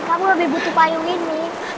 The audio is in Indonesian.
kamu lebih butuh payung ini